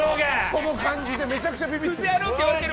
その感じでめちゃめちゃビビってる。